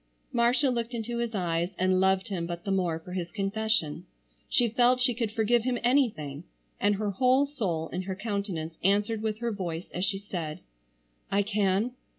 Marcia looked into his eyes, and loved him but the more for his confession. She felt she could forgive him anything, and her whole soul in her countenance answered with her voice, as she said: "I can."